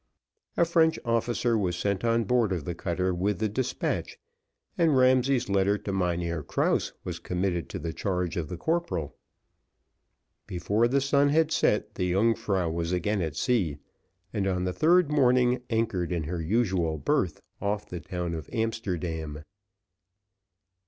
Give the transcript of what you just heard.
A French officer was sent on board of the cutter with the despatch, and Ramsay's letter to Mynheer Krause was committed to the charge of the corporal. Before the sun had set, the Yungfrau was again at sea, and, on the third morning, anchored in her usual berth off the town of Amsterdam.